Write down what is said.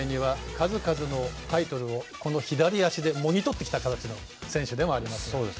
数々のタイトルを左足でもぎ取ってきた形の選手ではあります。